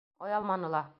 Оялманы ла.